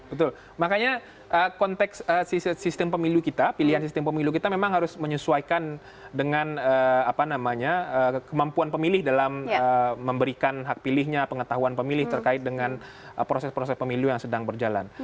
betul makanya konteks sistem pemilu kita pilihan sistem pemilu kita memang harus menyesuaikan dengan kemampuan pemilih dalam memberikan hak pilihnya pengetahuan pemilih terkait dengan proses proses pemilu yang sedang berjalan